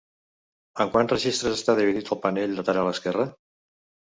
En quants registres està dividit el panell lateral esquerre?